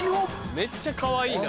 めっちゃかわいいな。